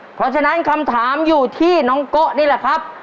เพราะฉะนั้นคำถามอยู่ที่น้องโกะนี่แหละครับ